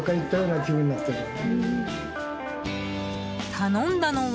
頼んだのは。